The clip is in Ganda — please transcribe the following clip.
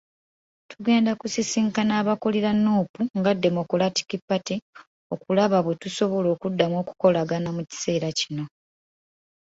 Tugenda kusisinkana abakulira Nuupu nga Democratic Party okulaba bwe tusobola okuddamu okukolagana mu kiseera kino.